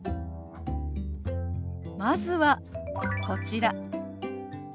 まずはこちら。